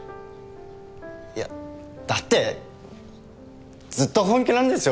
いやだってずっと本気なんですよ